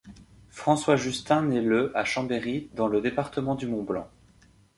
François Justin naît le à Chambéry, dans le département du Mont-Blanc.